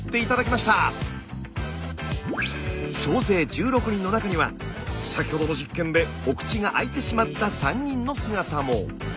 総勢１６人の中には先ほどの実験でお口が開いてしまった３人の姿も。